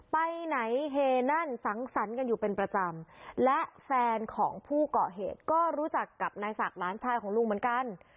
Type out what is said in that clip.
ไปไหนเฮนั่นสังสรรค์กันอยู่เป็นประจำและแฟนของผู้เกาะเหตุก็รู้จักกับนายศักดิ์หลานชายของลุงเหมือนกัน